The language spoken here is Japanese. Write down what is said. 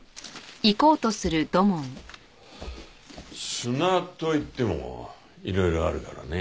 砂といってもいろいろあるからねえ。